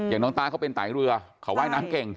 อย่างน้องต้าเขาเป็นไตเรือเขาว่ายน้ำเก่ง